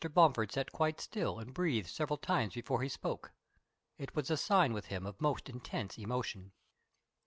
Bomford sat quite still and breathed several times before he spoke. It was a sign with him of most intense emotion.